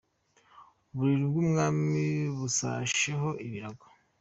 Uburiri bw’umwami busasheho ibirago.